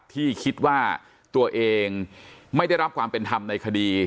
ที่คิดว่าตัวเองไม่ได้รับความเป็นธรรมในคดี